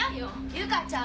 由香ちゃん